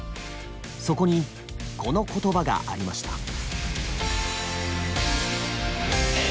そこにこの言葉がありました。